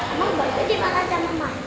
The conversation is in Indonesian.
emang baju bapak jangan macar